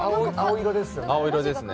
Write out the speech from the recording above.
青色ですね。